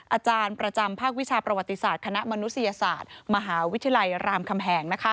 อาจารย์ประจำภาควิชาประวัติศาสตร์คณะมนุษยศาสตร์มหาวิทยาลัยรามคำแหง